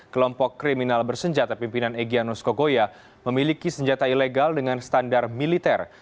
kelompok kriminal bersenjata pimpinan egyanus kogoya memiliki senjata ilegal dengan standar militer